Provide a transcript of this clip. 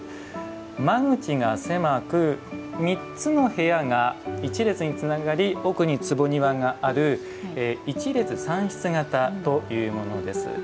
間口が狭く３つの部屋が一列につながり奥に坪庭がある一列三室型というものです。